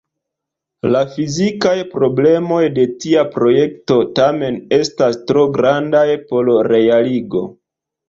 La fizikaj problemoj de tia projekto tamen estas tro grandaj por realigo.